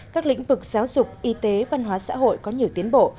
các lĩnh vực giáo dục y tế văn hóa xã hội có nhiều tiến bộ